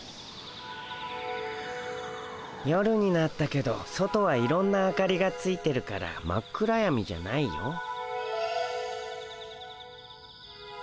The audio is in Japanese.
夜になったけど外はいろんな明かりがついてるから真っ暗やみじゃないよ。